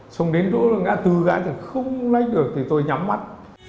xong đến chỗ là ngã tư gãi thì không lách được thì tôi nhắm mắt